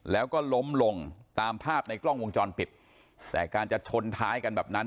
แล้วก็ล้มลงตามภาพในกล้องวงจรปิดแต่การจะชนท้ายกันแบบนั้น